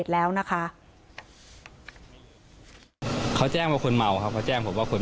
ตอนนี้ก็ไม่รู้เป็นใคร